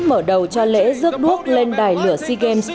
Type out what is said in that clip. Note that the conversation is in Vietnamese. mở đầu cho lễ rước đuốc lên đài lửa sea games